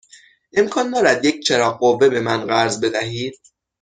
امکان دارد یک چراغ قوه به من قرض بدهید؟